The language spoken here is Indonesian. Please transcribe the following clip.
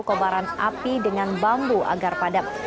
kobaran api dengan bambu agar padat